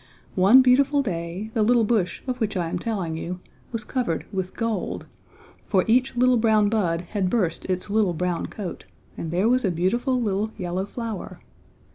one beautiful day, the little bush of which I am telling you was covered with gold, for each little brown bud had burst its little brown coat and there was a beautiful little yellow flower.